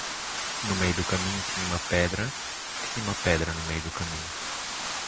No meio do caminho tinha uma pedra, tinha uma pedra no meio do caminho.